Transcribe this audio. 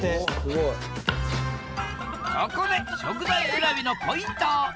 ここで食材選びのポイント！